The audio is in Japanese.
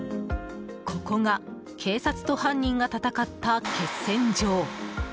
ここが、警察と犯人が戦った決戦場。